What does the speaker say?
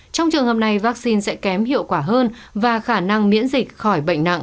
trong trường hợp này vaccine sẽ kém hiệu quả hơn và khả năng miễn dịch khỏi bệnh nặng